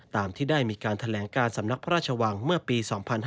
ตามที่ได้มีการแถลงการสำนักพระราชวังเมื่อปี๒๕๕๙